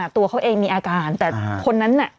ตัวเขามีอาการแต่คนนั้น